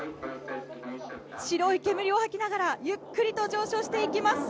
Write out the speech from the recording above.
白い煙を吐きながらゆっくりと上昇していきます！